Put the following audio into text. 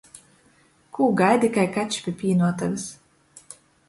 Kū gaidi kai kačs pi pīnuotovys?